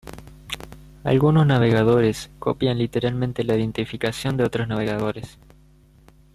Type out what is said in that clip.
Algunos navegadores copian literalmente la identificación de otros navegadores.